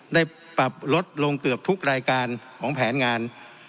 ได้ปรับลดลงเกือบทุกรายการของแผนงาน